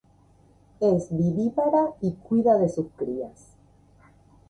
Es vivípara y cuida de sus crías.